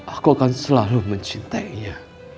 aku akan selalu mencintainya